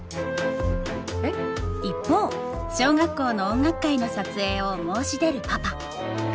えっ？一方小学校の音楽会の撮影を申し出るパパ。